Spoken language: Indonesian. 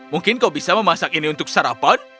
mungkin kau bisa memasak ini untuk sarapan